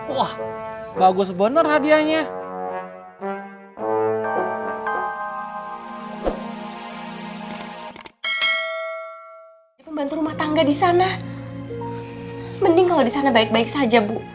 wah bagus bener hadiahnya